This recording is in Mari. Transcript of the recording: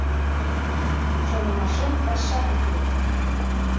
— Шонымашем пырчат уке.